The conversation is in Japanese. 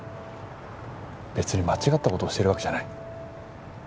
別に間違った事をしてるわけじゃない。